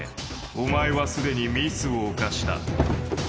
お前はすでにミスを犯した。